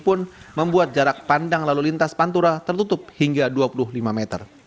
pun membuat jarak pandang lalu lintas pantura tertutup hingga dua puluh lima meter